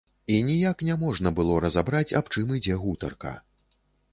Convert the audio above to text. І ніяк няможна было разабраць, аб чым ідзе гутарка.